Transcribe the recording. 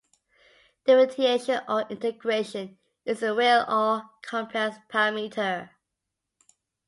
Differentiation or integration is a real or complex parameter.